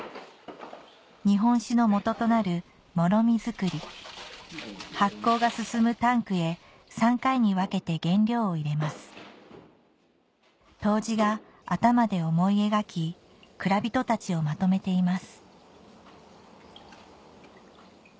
日本酒のもととなる醪作り発酵が進むタンクへ３回に分けて原料を入れます杜氏が頭で思い描き蔵人たちをまとめています